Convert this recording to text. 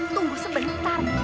tunggu sebentar bu